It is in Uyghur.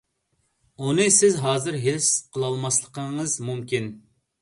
ئۇنى سىز ھازىر ھېس قىلالماسلىقىڭىز مۇمكىن.